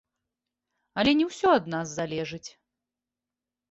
Але не ўсё ад нас залежыць.